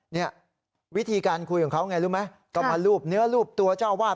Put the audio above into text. เนี่ยวิธีการคุยของเขาไงรู้ไหมก็มารูปเนื้อรูปตัวเจ้าวาด